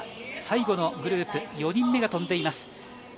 最後のグループ、４人目が飛んでいます。